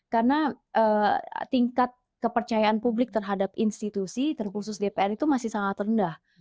karena tingkat kepercayaan publik terhadap institusi terkhusus dpr itu masih sangat rendah